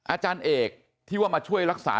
อาจารย์เอกที่ว่ามาช่วยรักษา